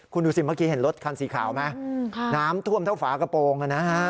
คุณดูสิเมื่อกี้เห็นรถคันสีขาวไหมน้ำท่วมเท่าฝากระโปรงนะฮะ